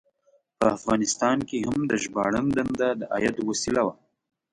په افغانستان کې هم د ژباړن دنده د عاید وسیله وه.